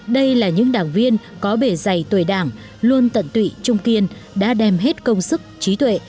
đây là những đảng viên có bể dày tuổi đảng luôn tận tụy trung kiên đã đem hết công sức trí tuệ